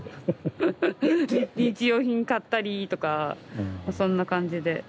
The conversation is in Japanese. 日用品買ったりとかそんな感じで。